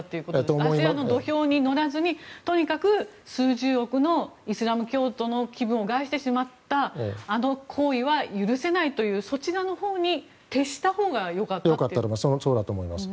同じ土俵に乗らずにとにかく数十億のイスラム教徒の気分を害してしまったあの行為は許せないというそちらのほうに徹したほうが良かったんですか？